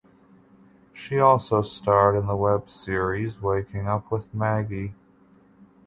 She also starred in the web series "Waking Up With Maggie".